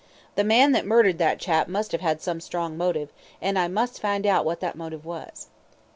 The man that murdered that chap must have had some strong motive, and I must find out what that motive was.